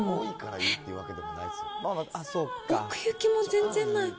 えっ、奥行きも全然ない。